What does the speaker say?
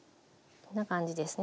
こんな感じですね。